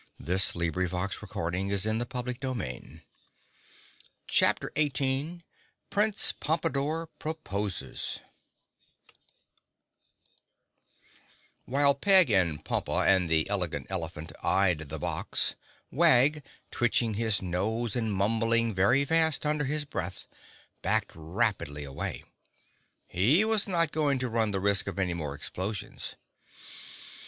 [Illustration: (unlabelled)] [Illustration: (unlabelled)] Chapter 18 Prince Pompadore Proposes While Peg and Pompa and the Elegant Elephant eyed the box, Wag, twitching his nose and mumbling very fast under his breath, backed rapidly away. He was not going to run the risk of any more explosions.